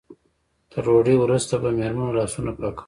تر ډوډۍ وروسته به مېرمنو لاسونه پاکول.